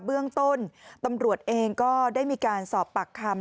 เบื้องต้นตำรวจเองก็ได้มีการสอบปากคำ